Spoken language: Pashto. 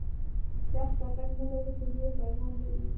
دښته غږ نه لري خو ژور پیغام لري.